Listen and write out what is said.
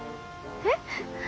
えっ？